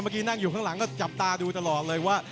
นั่งอยู่ข้างหลังก็จับตาดูตลอดเลยว่า